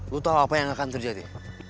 lo tau apa yang akan terjadi